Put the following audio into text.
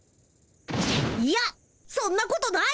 いやそんなことない！